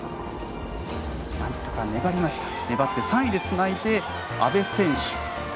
なんとか粘って３位でつないで阿部選手。